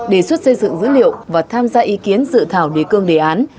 đề xuất xây dựng dữ liệu và tham gia ý kiến dự thảo đề cương đề án